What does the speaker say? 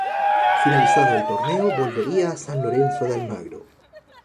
Finalizado el torneo, volvería a San Lorenzo de Almagro.